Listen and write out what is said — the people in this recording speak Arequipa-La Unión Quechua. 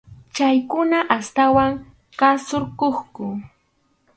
Chaykuna astawan qhasurquqku.